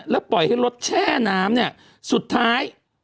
แล้วปล่อยให้รถแช่น้ำเนี่ยสุดท้าย